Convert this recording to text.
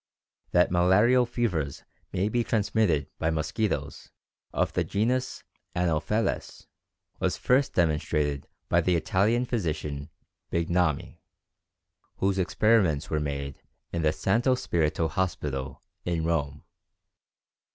That malarial fevers may be transmitted by mosquitoes of the genus Anopheles was first demonstrated by the Italian physician Bignami, whose experiments were made in the Santo Spirito Hospital in Rome.